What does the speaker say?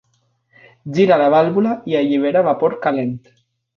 Gira la vàlvula i allibera vapor calent.